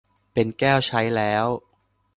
เป็นแก้วใช้แล้ว